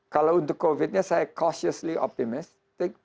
kalau untuk covid nya saya cautiously optimist